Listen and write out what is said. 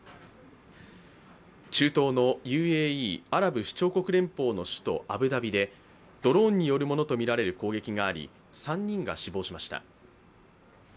中東のＵＡＥ＝アラブ首長国連邦の首都アブダビでドローンによるものとみられる攻撃があり、３人が死亡しました。